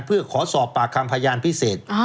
เพื่อขอสอบปากคำพยานพิเศษ